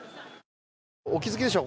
お気づきでしょうか。